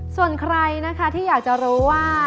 ส่วนใครนะคะที่อยากจะรู้ว่า